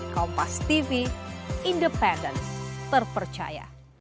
kompas tv independence terpercaya